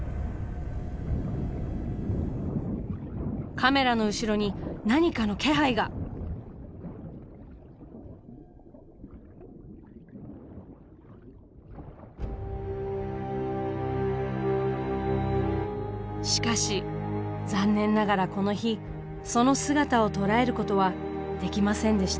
カメラの後ろにしかし残念ながらこの日その姿を捉えることはできませんでした。